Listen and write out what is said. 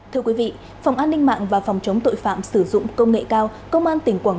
thưa quý vị phòng an ninh mạng và phòng chống tội phạm sử dụng công nghệ cao công an tỉnh quảng